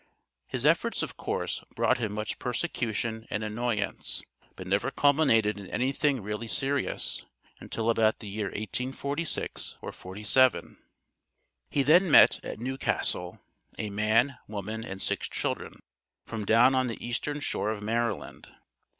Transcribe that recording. His efforts, of course, brought him much persecution and annoyance, but never culminated in anything really serious, until about the year 1846 or '47. He then met, at New Castle, a man, woman, and six children, from down on the Eastern Shore of Maryland.